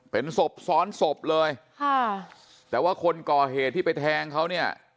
เป็นศพซ้อนศพเลยค่ะแต่ว่าคนก่อเหตุที่ไปแทงเขาเนี่ย